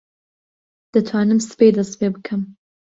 دەتوانم سبەی دەست پێ بکەم.